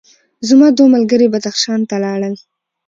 زما دوه ملګري بدخشان ته لاړل.